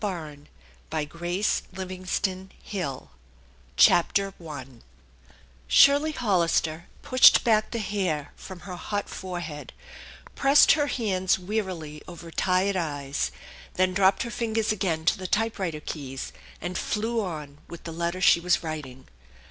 B. MPPINOOTT OOMPAKY THE ENCHANTED BARN CHAPTER I SHIRLEY HOLLISTER pushed back the hair from her hot forehead, pressed her hands wearily over tired eyes, then dropped her fingers again to the typewriter keys, and flew on with the letter she was writing.